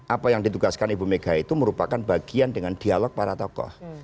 apa yang ditugaskan ibu mega itu merupakan bagian dengan dialog para tokoh